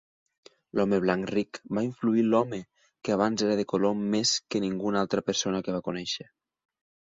L'home blanc ric va influir l'home que abans era de color més que ninguna altra persona que va conèixer.